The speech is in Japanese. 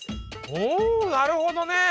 おおなるほどね。